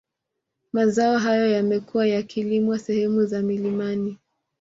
Mazao hayo yamekuwa yakilimwa sehemu za milimani